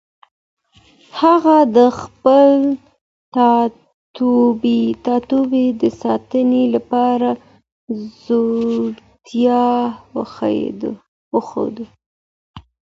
هغه د خپل ټاټوبي د ساتنې لپاره زړورتیا وښوده.